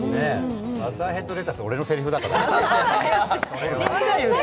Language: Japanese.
バターヘッドレタス、俺のせりふだから。